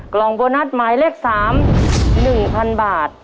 กล่องโบนัสหมายเลข๓๑๐๐๐บาท